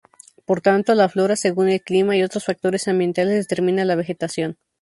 Por tanto, la flora, según el clima y otros factores ambientales, determina la vegetación.